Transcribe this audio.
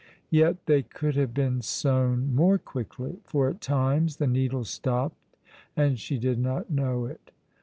Yet they could have been sewn more quickly; for at times the needle stopped and she did not know it.